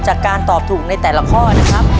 จากการตอบถูกในแต่ละข้อนะครับ